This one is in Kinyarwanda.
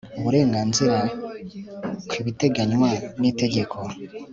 uburenganzira ku ibiteganywa n itegeko